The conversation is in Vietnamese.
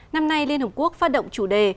năm nay liên hợp quốc phát động chủ đề